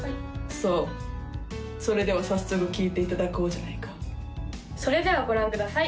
そうそれでは早速聴いていただこうじゃないかそれではご覧ください